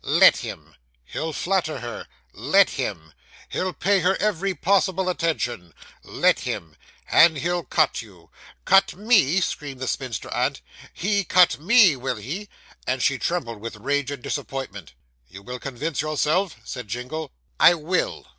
'Let him.' 'He'll flatter her.' 'Let him.' 'He'll pay her every possible attention.' 'Let him.' 'And he'll cut you.' 'Cut me!' screamed the spinster aunt. 'he cut me; will he!' and she trembled with rage and disappointment. 'You will convince yourself?' said Jingle. 'I will.